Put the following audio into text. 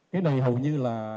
cái này hầu như là